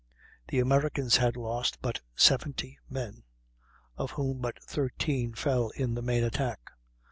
The Americans had lost but seventy men, of whom but thirteen fell in the main attack.